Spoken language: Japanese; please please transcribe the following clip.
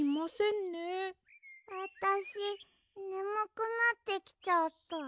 あたしねむくなってきちゃった。